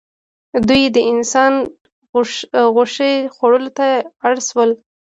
دوی د انسان غوښې خوړلو ته اړ شول.